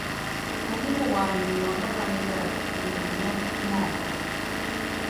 Ɔními wam nyi mɔnɔ́ pámínda, unyi kinɔ́kɔ kí muundɔ.